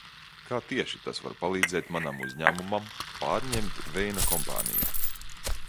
Kā tieši tas var palīdzēt manam uzņēmumam pārņemt Veina kompāniju?